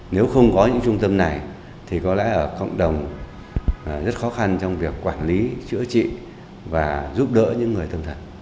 nếu không có những trung tâm này thì có lẽ là cộng đồng rất khó khăn trong việc quản lý chữa trị và giúp đỡ những người tâm thần